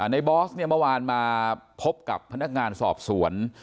บอสเนี่ยเมื่อวานมาพบกับพนักงานสอบสวน